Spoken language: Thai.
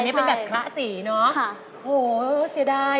โห้สิรราย